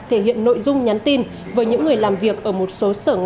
thể hiện nội dung nhắn tin với những người làm việc ở một số sở ngành